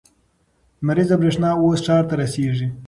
لمریزه برېښنا اوس ښار ته رسیږي.